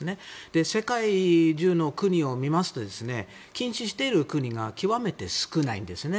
世界中の国を見ますと禁止している国が極めて少ないんです。